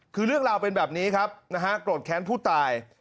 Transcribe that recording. คือเรื่องราวเป็นแบบนี้ครับนะฮะโกรธแค้นผู้ตาย